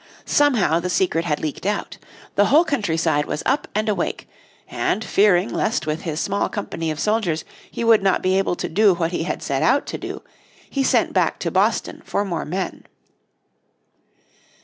Somehow the secret had leaked out. The whole countryside was up and awake, and fearing lest with his small company of soldiers, he would not be able to do what he had set out to do, he sent back to Boston for more men.